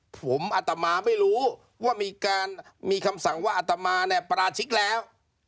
ผมอัตมาไม่รู้ว่ามีคำสั่งว่าอัตมาปราชิกแล้ว